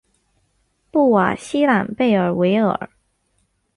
布瓦西朗贝尔维尔。